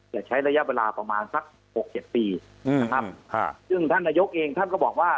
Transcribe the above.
จะใช้ระยะเวลาประมาณสักหกเจ็ดปีนะครับซึ่งท่านนายกเองท่านก็บอกว่า